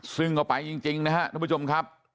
ซึ่งก็ไปจริงนะครับทุกผู้ชมครับ